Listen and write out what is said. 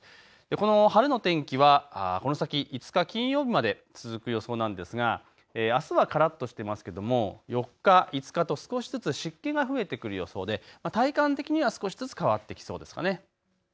この晴れの天気はこの先、５日金曜日まで続く予想なんですがあすはからっとしていますけれども４日、５日と少しずつ湿気が増えてくる予想で体感的には少しずつ変わってきそうですかね。